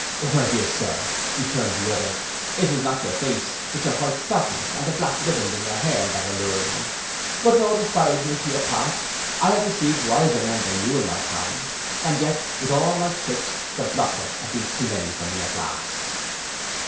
'My dear sir,' returned the other, 'it was not your face, but your white stockings and the black ribband in your hair, that allured me. But no disparagement to your parts, I have deceived wiser men than you in my time; and yet, with all my tricks, the blockheads have been too many for me at last.